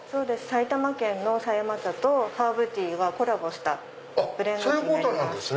埼玉県の狭山茶とハーブティーがコラボしたブレンドティーになります。